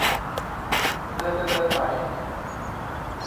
เธอจะเดินไหม